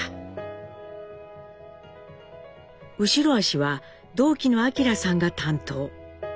後ろ足は同期の明樂さんが担当。